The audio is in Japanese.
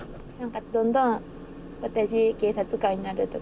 どんどん「私警察官になる」とか